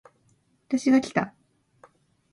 私がきた